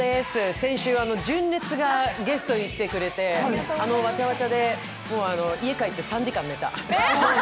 先週、純烈がゲストに来てくれて、あのわちゃわちゃで、家に帰って３時間寝た。